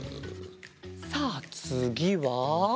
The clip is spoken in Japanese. さあつぎは。